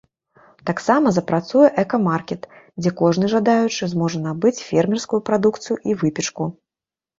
Таксама запрацуе экамаркет, дзе кожны жадаючы зможа набыць фермерскую прадукцыю і выпечку.